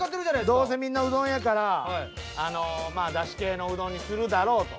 どうせみんなうどんやからあのまあだし系のうどんにするだろうと。